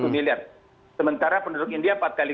satu miliar sementara penduduk india empat kali